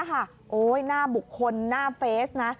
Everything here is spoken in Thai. หน้าบุคคลหน้าเฟซนะ